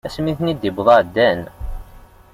Ass mi ten-id-wweḍ ɛeddan.